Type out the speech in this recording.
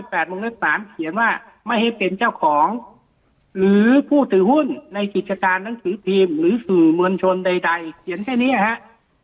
ภาษา๙๘มศ๓เขียนว่าไม่ให้เป็นเจ้าของหรือผู้ถือหุ้นในกิจการหนังสือพิมพ์หรือสื่อมวลชนใดเขียนแค่นี้นะครับ